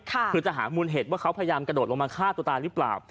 คือจะหามูลเหตุว่าเขาพยายามกระโดดลงมาฆ่าตัวตายหรือเปล่า